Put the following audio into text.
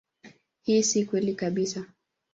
Hii si kweli kabisa.